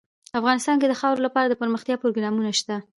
افغانستان کې د خاوره لپاره دپرمختیا پروګرامونه شته.